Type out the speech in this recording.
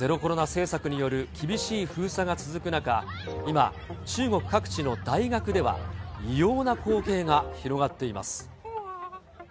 政策による厳しい封鎖が続く中、今、中国各地の大学では、異様な光景が広がっています。